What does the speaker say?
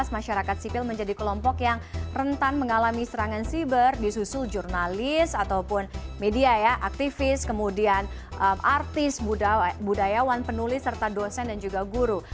masyarakat sipil menjadi kelompok yang rentan mengalami serangan siber disusul jurnalis ataupun media ya aktivis kemudian artis budayawan penulis serta dosen dan juga guru